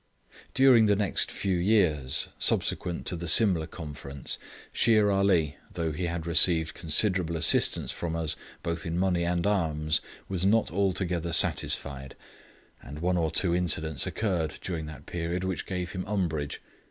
During the next few years, subsequent to the Simla conference, Shere Ali, though he had received considerable assistance from us, both in money and arms, was not altogether satisfied, and one or two incidents occurred during that period which gave him umbrage.